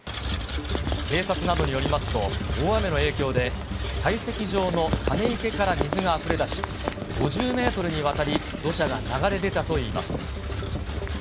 警察などによりますと、大雨の影響で、採石場のため池から水があふれ出し、５０メートルにわたり、土砂が流れ出たといいます。